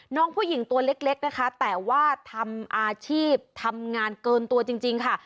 น้องผู้หญิงตัวเล็กนะคะแต่ว่าทำอาชีพทำงานเกินตัวจริงค่ะ